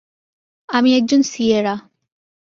আমি একজন সিয়েরা।